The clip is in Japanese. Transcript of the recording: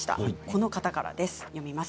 この方からです。